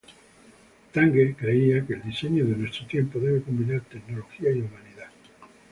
Tange creía que el diseño de nuestro tiempo debe combinar tecnología y humanidad.